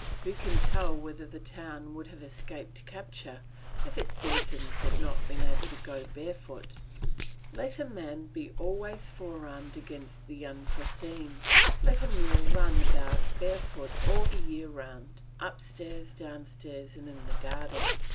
Who can tell whether the town would have escaped capture if its citizens had not been able to go barefoot? Let a man be always fore armed against the unforeseen. Let Emile run about barefoot all the year round, upstairs, downstairs, and in the garden.